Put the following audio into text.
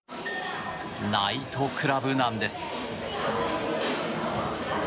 ナイトクラブなんです。